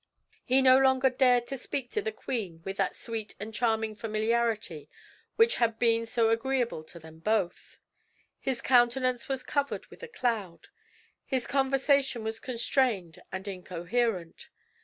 He no longer dared to speak to the queen with that sweet and charming familiarity which had been so agreeable to them both. His countenance was covered with a cloud. His conversation was constrained and incoherent.